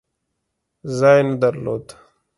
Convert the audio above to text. ځای نه درلود.